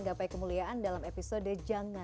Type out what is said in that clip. sampai jumpa di video berikutnya